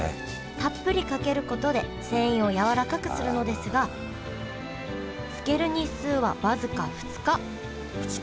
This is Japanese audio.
たっぷりかけることで繊維をやわらかくするのですが漬ける日数は僅か２日２日？